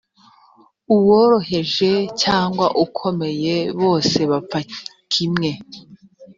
uworoheje cyangwa ukomeye bose bapfa kimwe